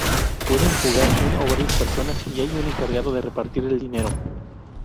Pueden jugar una o varias personas y hay un encargado de repartir el dinero.